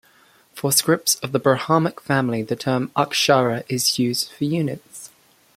For scripts of the Brahmic family, the term "akshara" is used for the units.